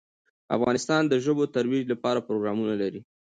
افغانستان د ژبو د ترویج لپاره پروګرامونه لري.